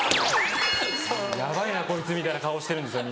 ヤバいなこいつみたいな顔をしてるんですよ